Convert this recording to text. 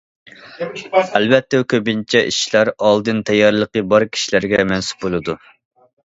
ئەلۋەتتە، كۆپىنچە ئىشلار ئالدىن تەييارلىقى بار كىشىلەرگە مەنسۇپ بولىدۇ.